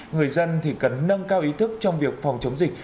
người dân thì cần nâng cao ý thức trong việc phòng chống dịch